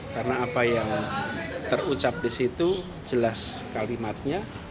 karena apa yang terucap di situ jelas kalimatnya